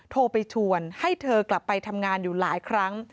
โทรไปชวนให้เธอกลับไปทำงานอยู่หลายครั้ง